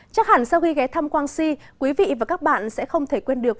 chắc hẳn sau khi ghé thăm quang si quý vị và các bạn sẽ không thể quên được